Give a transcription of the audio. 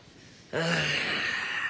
ああ。